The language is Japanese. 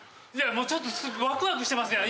ちょっとワクワクしてますやん。